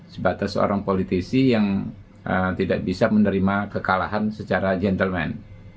sebatas seorang politisi yang tidak bisa menerima kekalahan secara gentleman